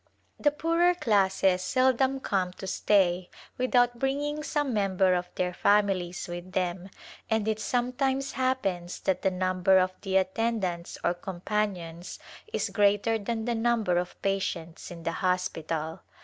The poorer classes seldom come to stay without bringing some member of their families with them, and it sometimes happens that the number of the attend ants or companions is greater than the number of patients in the hospital.